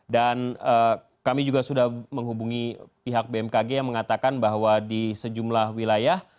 dan kami juga sudah menghubungi pihak bmkg yang mengatakan bahwa di sejumlah wilayah